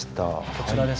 こちらですね。